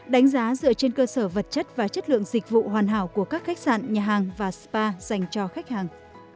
đánh giá dựa trên cơ sở vật chất và chất lượng dịch vụ hoàn hảo của các khách sạn nhà hàng và spa dành cho khách hàng